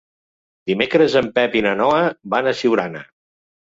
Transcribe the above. Dimecres en Pep i na Noa van a Siurana.